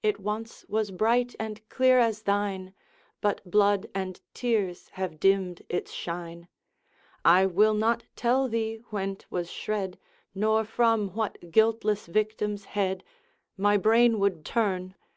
It once was bright and clear as thine, But blood and tears have dimmed its shine. I will not tell thee when 't was shred, Nor from what guiltless victim's head, My brain would turn!